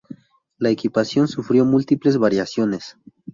La equipación sufrió múltiples variaciones.